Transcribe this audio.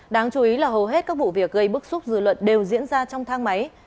đáng chú ý là hầu hết các vụ việc gây bức xúc dư luận đều diễn ra trong thang máy